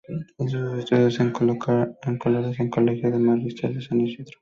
Hizo sus estudios escolares en el Colegio Maristas San Isidro.